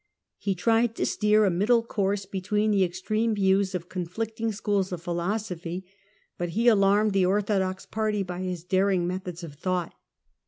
He tried to steer a middle course between the extreme views of conflicting schools of philosophy, but he alarmed the orthodox party by his daring methods of thought.